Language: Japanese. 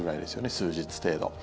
数日程度。